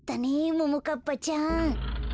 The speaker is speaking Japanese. ももかっぱちゃん。